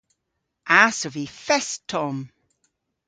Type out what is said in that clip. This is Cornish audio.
Ass ov vy fest tomm!